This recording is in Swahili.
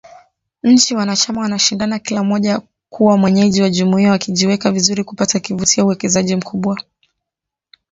Nchi wanachama wanashindana kila mmoja kuwa mwenyeji wa jumuiya, wakijiweka vizuri kupata kivutio cha uwekezaji mkubwa.